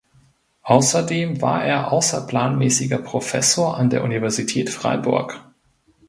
Außerdem war er außerplanmäßiger Professor an der Universität Freiburg.